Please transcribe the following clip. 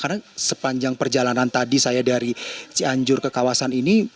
karena sepanjang perjalanan tadi saya dari cianjur ke kawasan ini